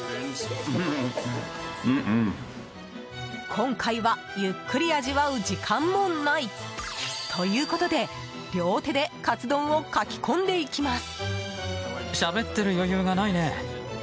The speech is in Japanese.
今回は、ゆっくり味わう時間もないということで両手でかつ丼をかき込んでいきます。